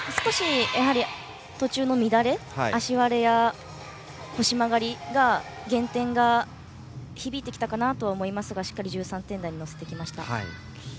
途中の乱れ足割れや腰曲がりで減点が響いてきたかなと思いますがしっかり１３点台に乗せてきました。